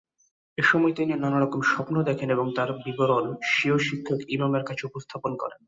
এসময় তিনি নানারকম স্বপ্ন দেখেন এবং তার বিবরণ স্বীয় শিক্ষক ইমামের কাছে উপস্থাপন করেন।